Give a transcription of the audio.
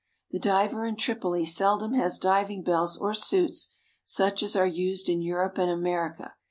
The diver in Tripoli seldom has diving bells or suits such as are used in Europe and America.